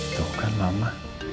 tuh kan mama